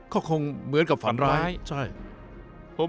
ก็คงเหมือนกับฝันร้ายใช่ฝันร้ายฝันร้าย